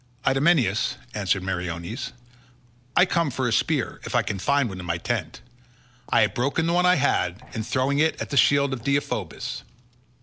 "Idomeneus," answered Meriones, "I come for a spear, if I can find one in my tent; I have broken the one I had, in throwing it at the shield of Deiphobus."